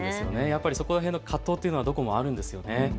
そこら辺の葛藤というのはどこもあるんですよね。